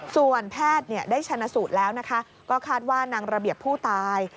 ส่วนแพทย์ได้ชนะสูตรแล้วนะคะก็คาดว่านางระเบียบผู้ตาย